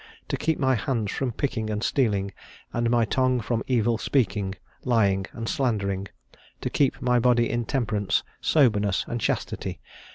To keep my hands from picking and stealing, and my tongue from evil speaking, lying, and slandering. To keep my body in temperance, soberness, and chastity.